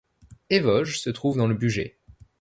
Évosges se trouve dans le Bugey.